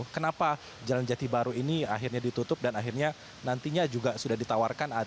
kenapa jalan jati baru ini akhirnya ditutup dan akhirnya nantinya juga sudah ditawarkan